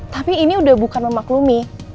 tapi ini udah bukan memaklumi